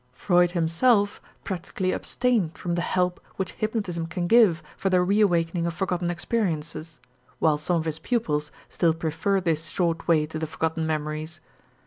Freud himself practically abstained from the help which hypnotism can give for the reawakening of forgotten experiences, while some of his pupils still prefer this short way to the forgotten memories.